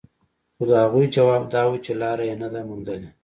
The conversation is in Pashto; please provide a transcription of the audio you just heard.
خو د هغوی ځواب دا و چې لاره يې نه ده موندلې.